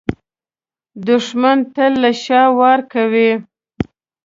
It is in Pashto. دښمن تل له شا وار کوي